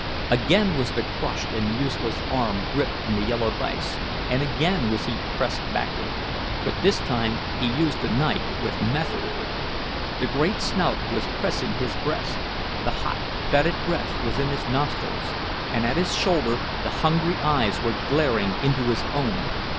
Again was the crushed and useless arm gripped in the yellow vise, and again was he pressed backward; but this time he used the knife with method. The great snout was pressing his breast; the hot, fetid breath was in his nostrils; and at his shoulder the hungry eyes were glaring into his own.